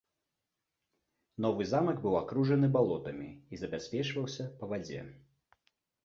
Новы замак быў акружаны балотамі і забяспечваўся па вадзе.